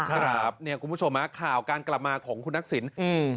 ครับเนี่ยคุณผู้ชมฮะข่าวการกลับมาของคุณทักษิณอืม